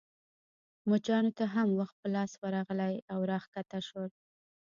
مچانو ته هم وخت په لاس ورغلی او راکښته شول.